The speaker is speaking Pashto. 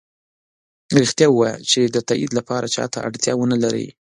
ریښتیا ؤوایه چې د تایید لپاره چا ته اړتیا ونه لری